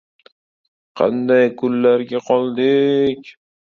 Qanday kunlarga qoldik?!